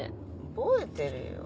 覚えてるよ。